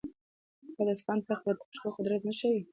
آیا د اصفهان تخت به د پښتنو د قدرت نښه وي؟